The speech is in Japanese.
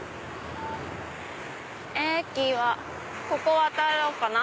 駅はここ渡ろうかな。